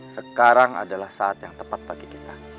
sekarang adalah saat yang tepat bagi kita